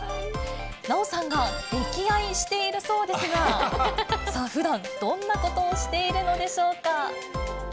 奈緒さんが溺愛しているそうですが、ふだん、どんなことをしているのでしょうか。